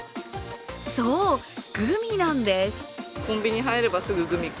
そう、グミなんです。